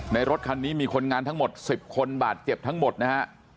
รถคันนี้มีคนงานทั้งหมด๑๐คนบาดเจ็บทั้งหมดนะฮะ